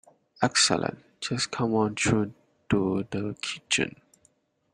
Excellent, just come on through to the kitchen.